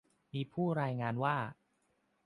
มีผู้รายงานว่า